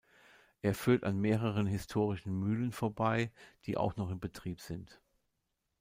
Er führt an mehreren historischen Mühlen vorbei, die auch noch in Betrieb sind.